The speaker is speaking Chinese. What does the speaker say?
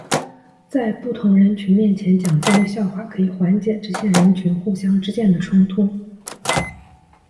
在不同人群面前讲这类笑话可以缓解这些人群互相之间的冲突。